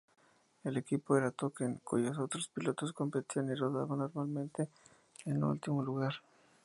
El equipo era Token, cuyos otros pilotos competían y rodaban normalmente en último lugar.